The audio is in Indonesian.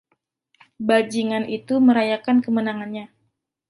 Bajingan itu merayakan kemenangannya.